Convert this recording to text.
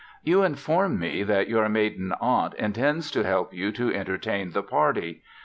You inform me that your maiden aunt intends to help you to entertain the party.